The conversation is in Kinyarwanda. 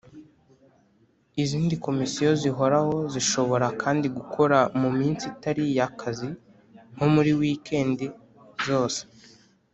izindi Komisiyo zihoraho zishobora kandi gukora mu minsi itariya akazi nko muri wikende zose